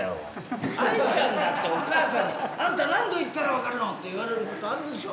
あいちゃんだってお母さんに「あんた何度言ったら分かるの」って言われることあるでしょ？